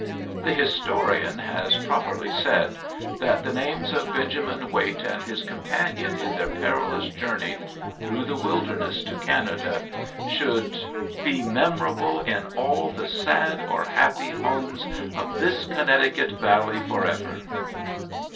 The historian has properly said that the names of Benjamin Waite and his companion in their perilous journey through the wilderness to Canada should "be memorable in all the sad or happy homes of this Connecticut valley forever."